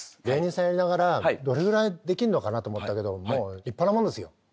芸人さんやりながらどれぐらいできんのかなと思ったけどもう立派なもんですよ。